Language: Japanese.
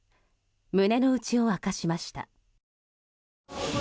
胸の内を明かしました。